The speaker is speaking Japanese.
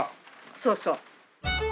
そうそう。